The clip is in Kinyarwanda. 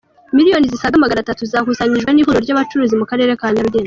Miliyoni zisaga Maganatatu zakusanyijwe n’ihuriro ry’abacuruzi mu Karere ka Nyarugenge